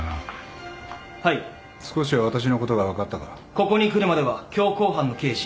ここに来るまでは強行犯の刑事。